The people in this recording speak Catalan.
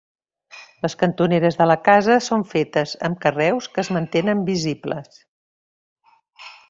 Les cantoneres de la casa són fetes amb carreus que es mantenen visibles.